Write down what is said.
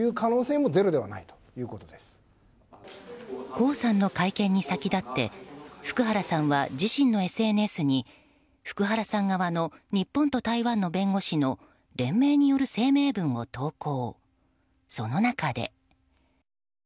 江さんの会見に先立って福原さんは自身のＳＮＳに福原さん側の日本と台湾の弁護士の連名による声明文を投稿。